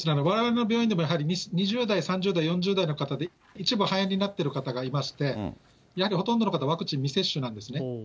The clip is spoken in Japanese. われわれの病院でも、やはり２０代、３０代、４０代の方で、一部肺炎になってる方がいまして、やはりほとんどの方、ワクチン未接種なんですね。